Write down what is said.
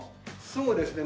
そうですね。